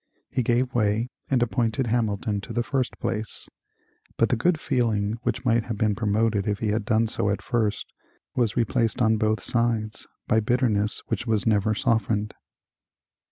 He gave way, and appointed Hamilton to the first place, but the good feeling which might have been promoted if he had done so at first was replaced on both sides by bitterness which was never softened.